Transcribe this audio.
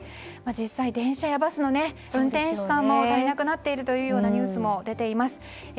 実際、電車やバスの運転手さんも足りなくなっているというようなニュースも出ています。